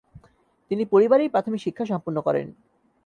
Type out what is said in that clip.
তিনি পরিবারেই প্রাথমিক শিক্ষা সম্পন্ন করেন।